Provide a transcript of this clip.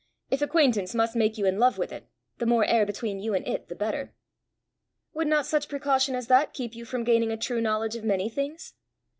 If acquaintance must make you in love with it, the more air between you and it the better!" "Would not such precaution as that keep you from gaining a true knowledge of many things?